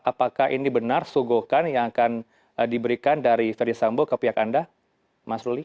apakah ini benar sugohkan yang akan diberikan dari ferdisambo ke pihak anda mas ruli